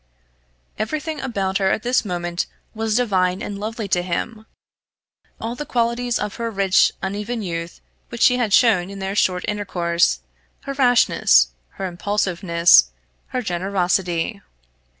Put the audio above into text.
Everything about her at this moment was divine and lovely to him; all the qualities of her rich uneven youth which she had shown in their short intercourse her rashness, her impulsiveness, her generosity.